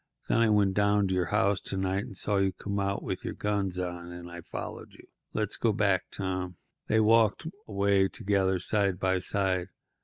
Then I went down to your house to night and saw you come out with your guns on, and I followed you. Let's go back, Tom." They walked away together, side by side.